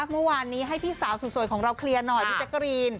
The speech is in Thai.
เมื่อวานนี้ให้พี่สาวสวยของเราเคลียร์หน่อยพี่แจ๊กกะรีน